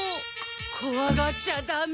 こわがっちゃダメ！